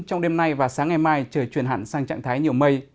trong đêm nay và sáng ngày mai trời chuyển hẳn sang trạng thái nhiều mây